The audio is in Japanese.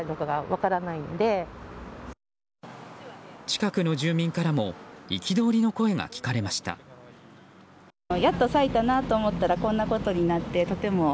近くの住民からも憤りの声が聞かれました。